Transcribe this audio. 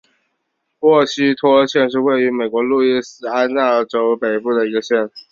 沃希托县是位于美国路易斯安那州北部的一个县。